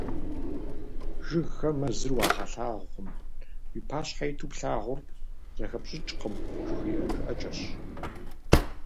"Жыгхэм мэзыр уагъэлъагъукъым" — уи пащхьэ иту плъагъур зэхэпщӀыкӀкъым жыхуиӀэ жыӀэкӀэщ.